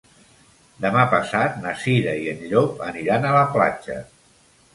Demà passat na Cira i en Llop aniran a la platja.